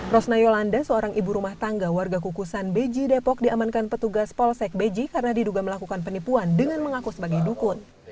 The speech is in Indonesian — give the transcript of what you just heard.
rosna yolanda seorang ibu rumah tangga warga kukusan beji depok diamankan petugas polsek beji karena diduga melakukan penipuan dengan mengaku sebagai dukun